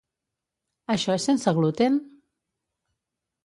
Això és sense gluten?